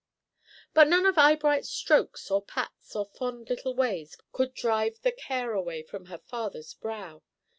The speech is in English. But none of Eyebright's strokes or pats or fond little ways could drive the care away from her father's brow.